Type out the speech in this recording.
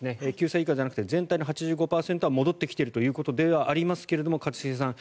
９歳以下じゃなくて全体の８５％は戻ってきているということではありますが一茂さん